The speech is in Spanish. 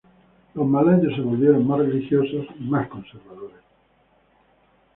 Los malayos se volvieron más religiosos y más conservadores.